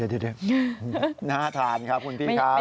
เดี๋ยวน่าทานครับคุณพี่ครับ